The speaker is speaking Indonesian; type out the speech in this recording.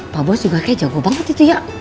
pak bos juga kayaknya jago banget itu ya